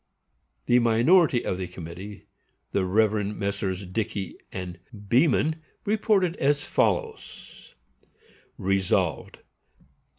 The minority of the committee, the Rev. Messrs. Dickey and Beman, reported as follows: Resolved, 1.